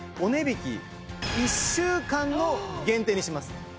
１週間の限定にしてます。